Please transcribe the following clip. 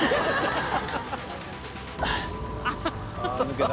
◆舛抜けた。